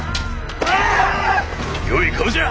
よい顔じゃ。